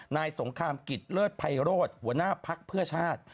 นายสงครามกิจเลิศภัยโรธหัวหน้าภักดิ์เพื่อชาติ